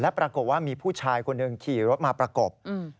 ปรากฏว่ามีผู้ชายคนหนึ่งขี่รถมาประกบ